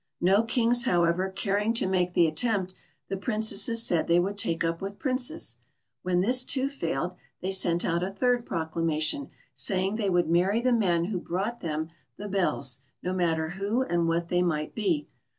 No kings, however, caring to make the attempt, the Princesses said they would take up with princes. When this, too, failed, they sent out a third proclamation, saying they would marry the men who brought them the bells, no matter who and what they might be.